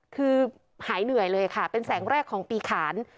คือหายเหนื่อยเลยค่ะเป็นแสงแรกของปีขาน